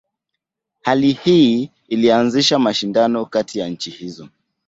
Hali hii ilianzisha mashindano kati ya nchi hizo.